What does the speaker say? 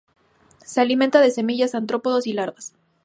Se alimenta de semillas, artrópodos y larvas.